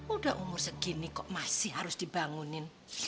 udah umur segini kok masih harus dibangunin